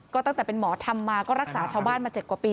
ก็ตั้งแต่เป็นหมอทำมาก็รักษาชาวบ้านมา๗กว่าปี